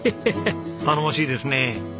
頼もしいですね。